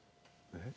えっ？